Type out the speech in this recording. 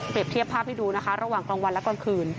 เทียบภาพให้ดูนะคะระหว่างกลางวันและกลางคืน